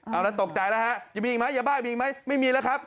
เอาแล้วตกใจแล้วฮะจะมีอีกมั้ยอย่าบ้ายมีอีกมั้ยไม่มีแล้วครับ